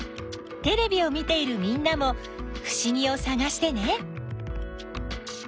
テレビを見ているみんなもふしぎをさがしてね！